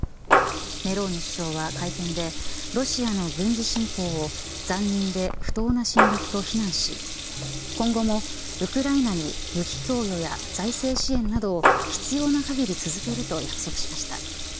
メローニ首相は会見でロシアの軍事侵攻を残忍で不当な侵略と非難し今後もウクライナに武器供与や財政支援などを必要な限り続けると約束しました。